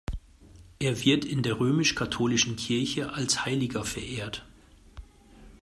Er wird in der römisch-katholischen Kirche als Heiliger verehrt.